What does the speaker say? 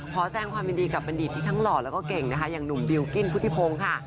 แสดงความยินดีกับบัณฑิตที่ทั้งหล่อแล้วก็เก่งนะคะอย่างหนุ่มบิลกิ้นพุทธิพงศ์ค่ะ